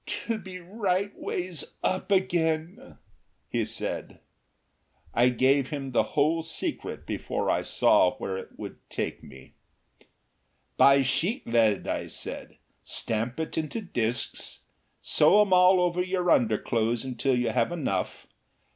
"To be right ways up again " he said. I gave him the whole secret before I saw where it would take me. "Buy sheet lead," I said, "stamp it into discs. Sew 'em all over your underclothes until you have enough.